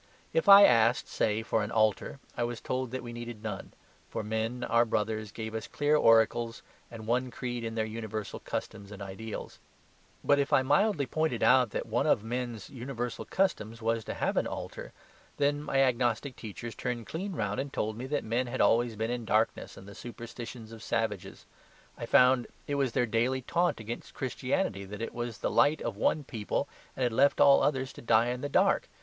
If I asked, say, for an altar, I was told that we needed none, for men our brothers gave us clear oracles and one creed in their universal customs and ideals. But if I mildly pointed out that one of men's universal customs was to have an altar, then my agnostic teachers turned clean round and told me that men had always been in darkness and the superstitions of savages. I found it was their daily taunt against Christianity that it was the light of one people and had left all others to die in the dark.